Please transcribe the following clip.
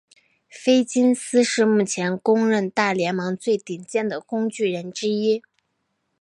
菲金斯是目前公认大联盟最顶尖的工具人之一。